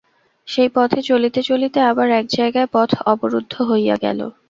সেই পথে চলিতে চলিতে আবার এক জায়গায় পথ অবরুদ্ধ হইয়া গেল।